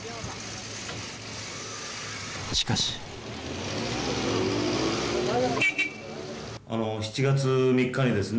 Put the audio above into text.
しかしあの７月３日にですね